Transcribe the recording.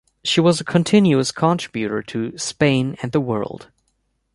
She was a continuous contributor to "Spain and the World".